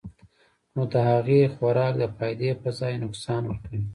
نو د هغې خوراک د فائدې پۀ ځائے نقصان ورکوي -